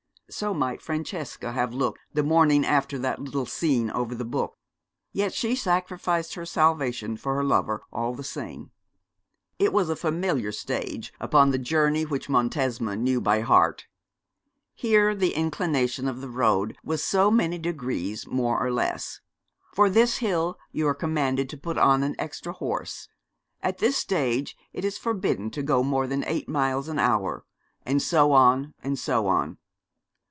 So might Francesca have looked the morning after that little scene over the book; yet she sacrificed her salvation for her lover all the same. It was a familiar stage upon the journey which Montesma knew by heart. Here the inclination of the road was so many degrees more or less; for this hill you are commanded to put on an extra horse; at this stage it is forbidden to go more than eight miles an hour, and so on, and so on.